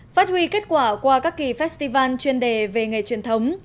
phát huy kết quả qua các kỳ festival chuyên đề về nghề truyền thống